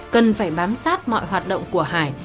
cần phải bán sát mọi hoạt động của hải